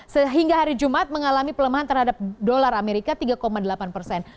sehingga hari jumat mengalami pelemahan terhadap dolar amerika tiga delapan persen